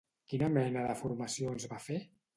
Quina mena de formacions va fer?